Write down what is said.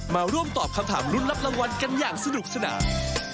มาร่วมตอบคำถามลุ้นรับรางวัลกันอย่างสนุกสนาน